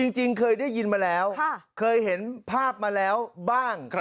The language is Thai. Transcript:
จริงเคยได้ยินมาแล้วเคยเห็นภาพมาแล้วบ้าง